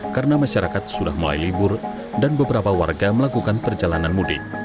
karena masyarakat sudah mulai libur dan beberapa warga melakukan perjalanan mudik